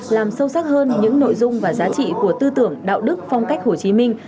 làm sâu sắc hơn những nội dung và giá trị của tư tưởng đạo đức phong cách hồ chí minh